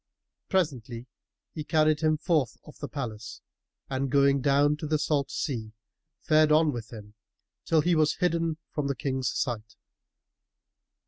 Presently he carried him forth of the palace and going down to the salt sea, fared on with him, till he was hidden from the King's sight.